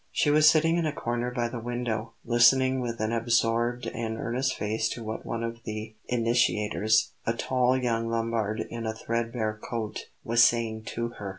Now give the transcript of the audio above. She was sitting in a corner by the window, listening with an absorbed and earnest face to what one of the "initiators," a tall young Lombard in a threadbare coat, was saying to her.